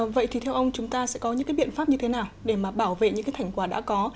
vậy thì theo ông chúng ta sẽ có những biện pháp như thế nào để bảo vệ những thành quả đã có